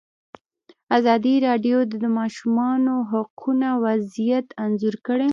ازادي راډیو د د ماشومانو حقونه وضعیت انځور کړی.